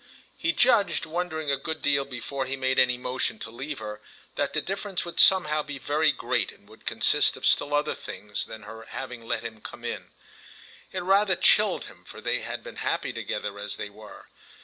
He judged, wondering a good deal before he made any motion to leave her, that the difference would somehow be very great and would consist of still other things than her having let him come in. It rather chilled him, for they had been happy together as they were.